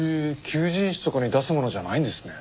求人誌とかに出すものじゃないんですね。